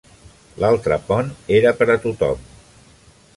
L'altre pont era per a tothom.